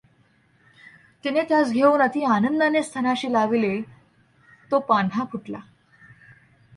तिने त्यास घेऊन अति आनंदाने स्तनाशी लाविले, तो पान्हा फुटला.